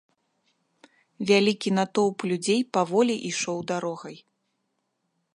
Вялікі натоўп людзей паволі ішоў дарогай.